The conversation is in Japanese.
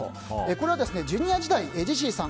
これはＪｒ．時代にジェシーさん